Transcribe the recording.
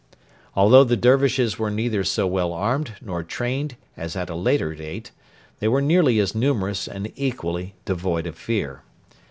Although the Dervishes were neither so well armed nor trained as at a later date, they were nearly as numerous and equally devoid of fear.